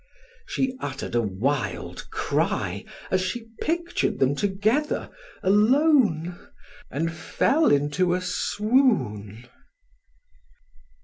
She uttered a wild cry, as she pictured them together alone and fell into a swoon.